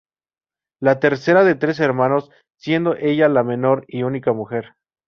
La tercera de tres hermanos, siendo ella la menor y única mujer.